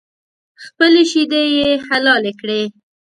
خپلې شیدې یې حلالې کړې.